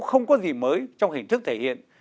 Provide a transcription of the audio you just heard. không có gì mới trong hình thức thể hiện